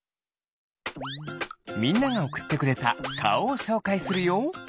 みんながおくってくれたかおをしょうかいするよ。